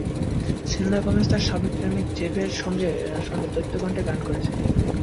Selena Gomez তাঁর সাবেক প্রেমিক জেডের সঙ্গে দ্বৈত কণ্ঠে গান করেছেন।